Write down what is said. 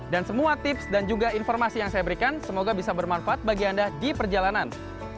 dan semua tips dan juga informasi yang saya berikan semoga bisa bermanfaat bagi anda di perjalanan